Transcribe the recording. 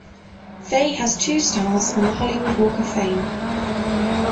Fay has two stars on the Hollywood Walk of Fame.